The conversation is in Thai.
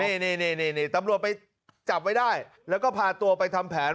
เน่เน่เน่เน่เน่เน่ตำรวจไปจับไว้ได้แล้วก็พาตัวไปทำแผน